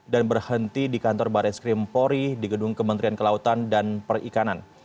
dan berhenti di kantor barat skrimpori di gedung kementerian kelautan dan perikanan